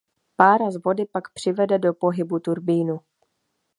Pára z vody pak přivede do pohybu turbínu.